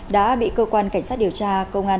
đã bị cơ quan cảnh sát điều tra công an